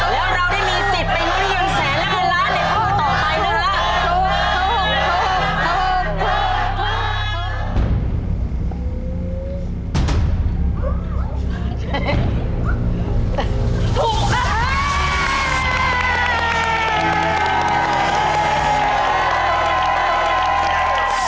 แล้วเราได้มีสิทธิ์เป็นวิดีโมงแสนและ๑ล้านเน็ตของต่อไปนะคะ